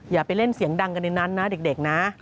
อย่าไปเล่นเสียงดังกันในนั้นนะเด็กนะ